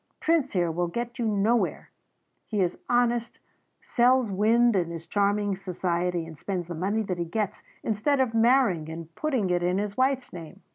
Prince here will get nowhere. He is honest, sells wind and his charming society, and spends the money that he gets, instead of marrying and putting it in his wife's name."